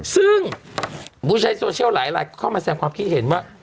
ซึ่งผู้ใช้โซเชียลหลายเข้ามาแสงความคิดเห็นว่า